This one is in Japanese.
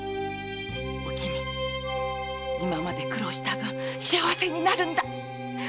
おきみ今まで苦労した分幸せになるんだ！